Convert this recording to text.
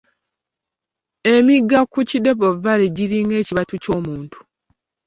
Emigga mu Kidepo Valley giringa ekibatu ky'omuntu.